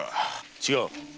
違う。